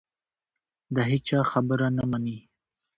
د هېچا خبره نه مني